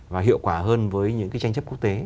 và hiệu quả hơn với những cái tranh chấp quốc tế